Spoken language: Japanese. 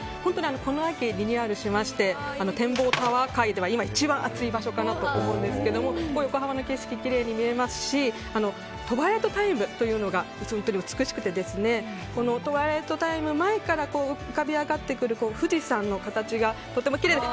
この秋リニューアルしまして展望タワー界では今一番熱い場所かなと思うんですが横浜の景色がきれいに見えますしトワイライトタイムというのが美しくてトワイライトタイム前から浮かび上がってくる富士山の形がとてもきれいで。